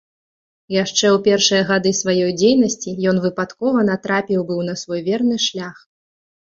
Яшчэ ў першыя гады сваёй дзейнасці ён выпадкова натрапіў быў на свой верны шлях.